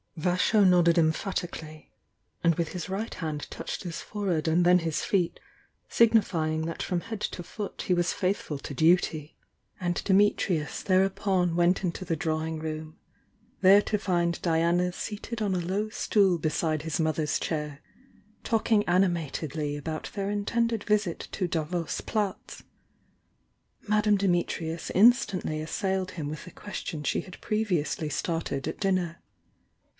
Vasho nodded emphatically, and with his right hand touched his forehead and then his feet, signify ing that from head to foot he was faithful to duty. And Dimitrius thereupon went into the drawing room, there to find Diana seated on a low stool be side his mother's chair, talking animatedly about their intended visit to Davos Platz. Madame Di mitrius instantly assailed him with the question she had previously started at dinner.